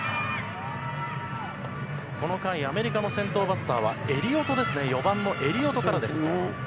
この回、アメリカの先頭バッターはエリオトですね、４番のエリオトからです。